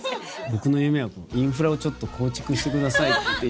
僕の夢はインフラを構築してくださいって。